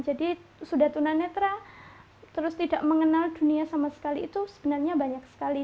jadi sudah tunanetra terus tidak mengenal dunia sama sekali itu sebenarnya banyak sekali